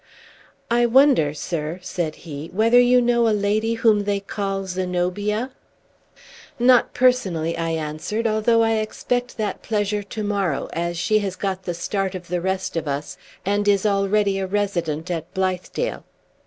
"I wonder, sir," said he, "whether you know a lady whom they call Zenobia?" "Not personally," I answered, "although I expect that pleasure to morrow, as she has got the start of the rest of us, and is already a resident at Blithedale.